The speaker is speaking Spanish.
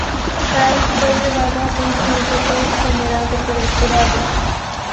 Price fue llevado a juicio aunque fue exonerado por el jurado.